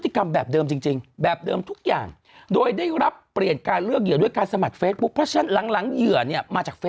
ก็สดงเขาก็ชอบอ้างนะว่าประตุ๊คษก็เอาไปท่านายเป็นอะไรเขามาตีสนิทอย่างเงี้ย